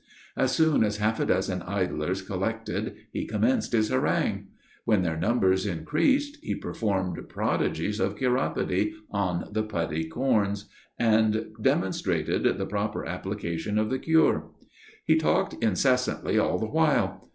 As soon as half a dozen idlers collected he commenced his harangue. When their numbers increased he performed prodigies of chiropody on the putty corns, and demonstrated the proper application of the cure. He talked incessantly all the while.